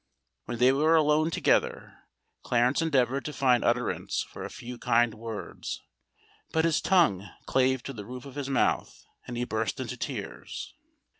When they were alone together, Clarence endeavoured to find utterance for a few kind words; but his tongue clave to the roof of his mouth—and he burst into tears.